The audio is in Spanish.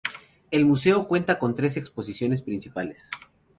El museo cuenta con tres exposiciones principales:.